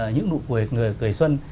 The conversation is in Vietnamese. những nụ cười người cười xuân